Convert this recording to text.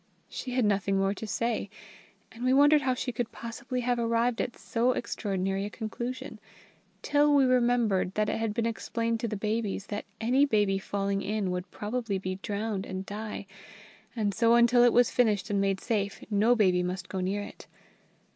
She had nothing more to say; and we wondered how she could possibly have arrived at so extraordinary a conclusion, till we remembered that it had been explained to the babies that any baby falling in would probably be drowned and die, and so until it was finished and made safe no baby must go near it.